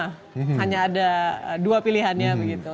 hanya ada dua pilihannya begitu